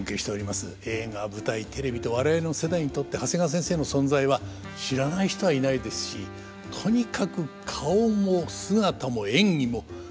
映画舞台テレビと我々の世代にとって長谷川先生の存在は知らない人はいないですしとにかく顔も姿も演技もどれも超一流でございました。